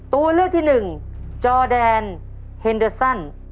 ตัวเลือกที่หนึ่งจอแดนเฮนเดอร์ซัน